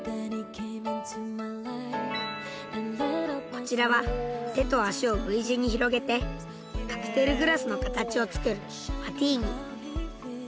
こちらは手と足をＶ字に広げてカクテルグラスの形を作る「マティーニ」。